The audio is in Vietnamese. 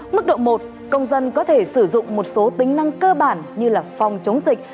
mức độ một công dân có thể sử dụng một số tính năng cơ bản như là phòng chống dịch